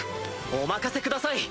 お任せください！